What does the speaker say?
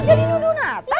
dia di nuduh nata